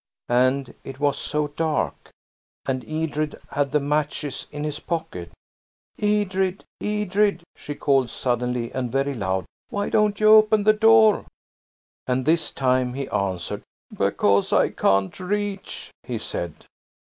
And it was so dark. And Edred had the matches in his pocket. "Edred! Edred!" she called suddenly and very loud, "why don't you open the door?" And this time he answered. "Because I can't reach," he said.